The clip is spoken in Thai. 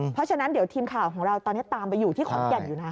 เพราะฉะนั้นเดี๋ยวทีมข่าวของเราตอนนี้ตามไปอยู่ที่ขอนแก่นอยู่นะ